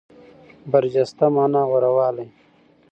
برجسته مانا غوره والی.